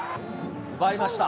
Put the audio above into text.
奪いました。